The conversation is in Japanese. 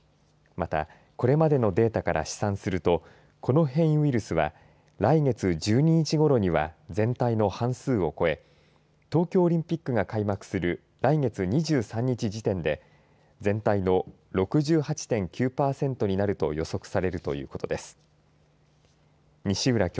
またこれまでのデータから試算するとこの変異ウイルスは来月１２日ごろには全体の半数を超え東京オリンピックが開幕する来月２３日時点で全体の６８．９パーセントになると予測されるということです。